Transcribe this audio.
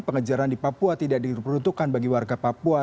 pengejaran di papua tidak diperuntukkan bagi warga papua